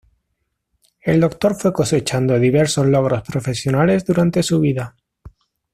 El doctor fue cosechando diversos logros profesionales durante su vida.